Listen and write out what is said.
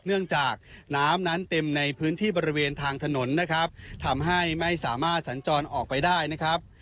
เนื่องจากน้ำนั้นเต็มในพื้นที่บริเวณทางถนนนะครับทำให้ไม่สามารถสัญจรออกไปได้นะครับ